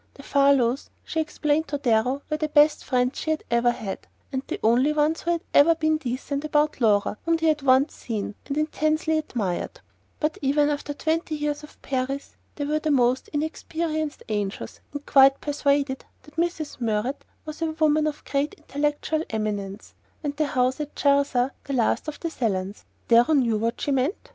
The Farlows, she explained to Darrow, were the best friends she had ever had (and the only ones who had ever "been decent" about Laura, whom they had seen once, and intensely admired); but even after twenty years of Paris they were the most incorrigibly inexperienced angels, and quite persuaded that Mrs. Murrett was a woman of great intellectual eminence, and the house at Chelsea "the last of the salons" Darrow knew what she meant?